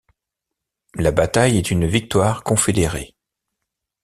La bataille est une victoire confédérée.